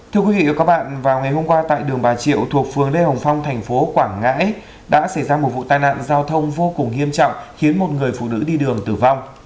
thưa quý vị và các bạn vào ngày hôm qua tại đường bà triệu thuộc phường lê hồng phong thành phố quảng ngãi đã xảy ra một vụ tai nạn giao thông vô cùng nghiêm trọng khiến một người phụ nữ đi đường tử vong